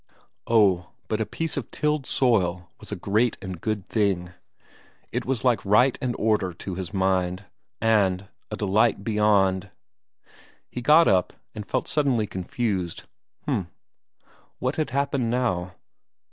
Oh, but a piece of tilled soil was a great and good thing; it was like right and order to his mind, and a delight beyond.... He got up, and felt suddenly confused. H'm. What had happened now?